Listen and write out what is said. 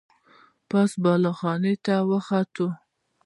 پاس بالا خانې ته وخوته.